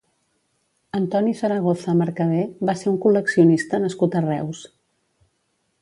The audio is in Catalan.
Antoni Zaragoza Mercadé va ser un col·leccionista nascut a Reus.